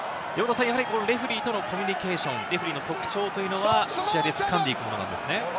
やはりレフェリーとのコミュニケーション、レフェリーの特徴というのは試合で掴んでいくものなんですね。